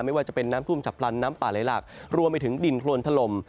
ไม่ว่าจะเป็นน้ำท่วมฉับพลันน้ำป่าไหลหลักรวมไปถึงดินโครนถล่ม